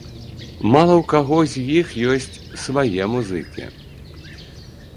Мала ў каго з іх ёсць свае музыкі.